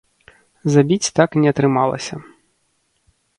Забіць так і не атрымалася.